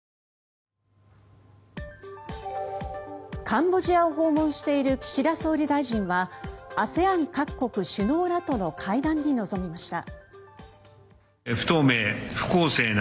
カンボジアを訪問している岸田総理大臣はＡＳＥＡＮ各国首脳らとの会談に臨みました。